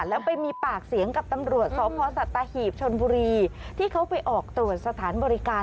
แล้วไปมีปากเสียงกับตำรวจสพสัตหีบชนบุรีที่เขาไปออกตรวจสถานบริการ